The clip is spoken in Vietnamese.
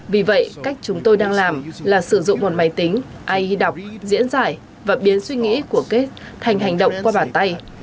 vì vậy cách chúng tôi đang làm là sử dụng một máy tính ai đọc diễn giải và biến suy nghĩ của kate thành hành động qua bàn tay